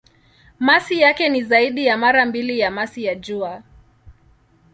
Masi yake ni zaidi ya mara mbili ya masi ya Jua.